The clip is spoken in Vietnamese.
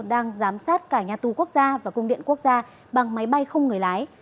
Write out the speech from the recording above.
đang giám sát cả nhà tù quốc gia và cung điện quốc gia bằng máy bay không người lái